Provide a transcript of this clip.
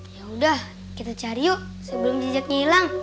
yaudah kita cari yuk sebelum jejaknya ilang